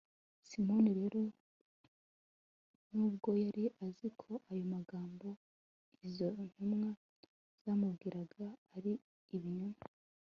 simoni rero, n'ubwo yari azi ko ayo magambo izo ntumwa zamubwiraga ari ibinyoma,